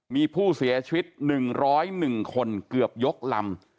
มีผู้เสียชีวิต๑๐๑คนเกือบยกลำ